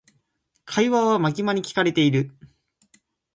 会話はマキマに聞かれている。